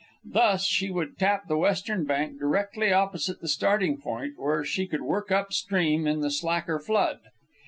Thus, she would tap the western bank directly opposite the starting point, where she could work up stream in the slacker flood.